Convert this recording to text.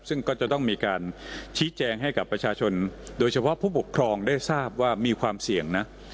ซึ่งก็จะต้องมีการชี้แจงให้กับประชาชนโดยเฉพาะผู้ปกครองได้ทราบว่ามีความเสี่ยงนะ